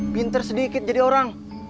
pinter sedikit jadi orang